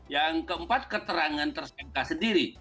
yang keempat keterangan tersangka sendiri